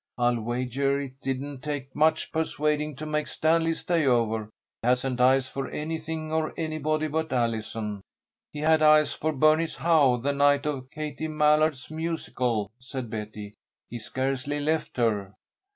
I'll wager it didn't take much persuading to make Stanley stay over. He hasn't eyes for anything or anybody but Allison." "He had eyes for Bernice Howe the night of Katie Mallard's musicale," said Betty. "He scarcely left her."